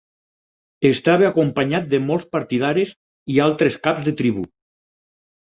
Estava acompanyat de molts partidaris i altres caps de tribu.